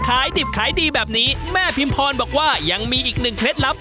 ขายดิบขายดีแบบนี้แม่พิมพรบอกว่ายังมีอีกหนึ่งเคล็ดลับ